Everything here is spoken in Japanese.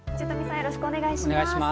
よろしくお願いします。